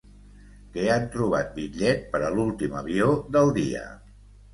Que han trobat bitllet per a l'últim avió del dia.